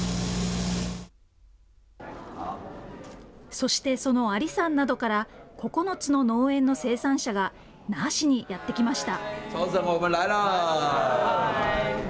そして、その阿里山などから９つの農園の生産者が那覇市にやって来ました。